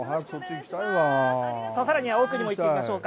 さらに奥にも行ってみましょう。